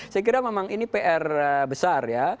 saya kira memang ini pr besar ya